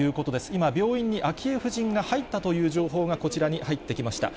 今、病院に昭恵夫人が入ったという情報がこちらに入ってきました。